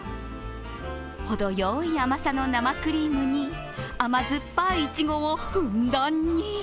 程よい甘さの生クリームに甘酸っぱい、いちごをふんだんに。